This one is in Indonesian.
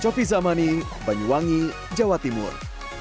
cofi zamani banyuwangi jawa timur